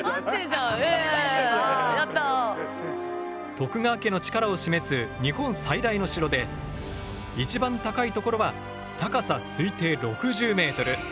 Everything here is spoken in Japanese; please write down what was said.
徳川家の力を示す日本最大の城で一番高い所は高さ推定６０ｍ。